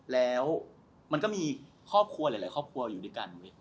แล้วมันก็มีครอบครัวหลายครอบครัวอยู่ด้วยกัน